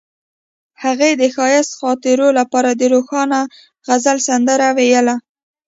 هغې د ښایسته خاطرو لپاره د روښانه غزل سندره ویله.